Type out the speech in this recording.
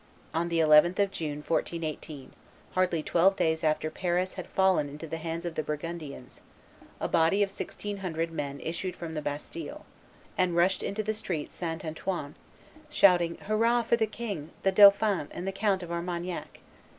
On the 11th of June, 1418, hardly twelve days after Paris had fallen into the hands of the Burgundians, a body of sixteen hundred men issued from the Bastille, and rushed into the street St. Antoine, shouting, "Hurrah for the king, the dauphin, and the Count of Armagnac!"